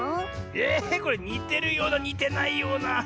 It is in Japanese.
えこれにてるようなにてないような。